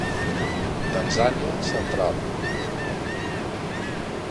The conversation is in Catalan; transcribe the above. Tanzània central.